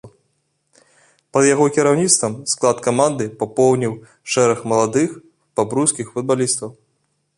Пад яго кіраўніцтвам склад каманды папоўніў шэраг маладых бабруйскіх футбалістаў.